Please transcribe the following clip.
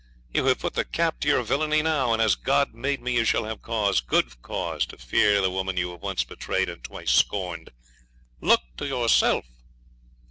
You have put the cap to your villainy now. And, as God made me, you shall have cause good cause to fear the woman you have once betrayed and twice scorned. Look to yourself.'